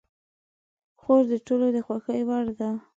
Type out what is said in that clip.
خور د ټولو د خوښې وړ ده.